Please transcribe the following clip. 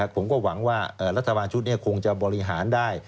ผมก็หวังว่ารัฐบาลชุดนี้คงจะบริหารได้